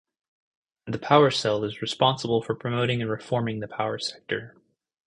The Power Cell is responsible for promoting and reforming the power sector.